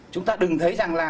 chúng ta đừng thấy rằng là